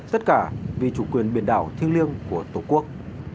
tất cả vì chủ quyền biển đảo thiêng liêng của tổ quốc